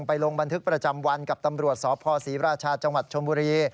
ลงบันทึกประจำวันกับตำรวจสพศรีราชาจังหวัดชมบุรี